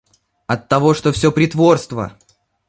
Оттого что всё притворство!